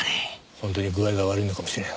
本当に具合が悪いのかもしれん。